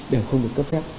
đều không được cấp phép